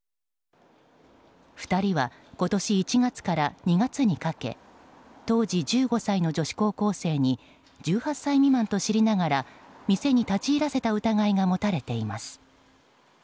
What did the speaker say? ２人は今年１月から２月にかけ当時１５歳の女子高校生に１８歳未満と知りながら店に立ち入らせた疑いが持たれています。